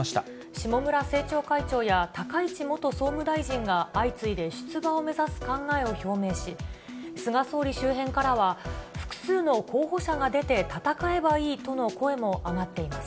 下村政調会長や、高市元総務大臣が相次いで出馬を目指す考えを表明し、菅総理周辺からは、複数の候補者が出て戦えばいいとの声も上がっています。